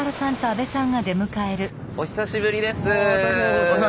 お久しぶりです。